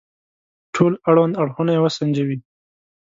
ټول اړوند اړخونه يې وسنجوي.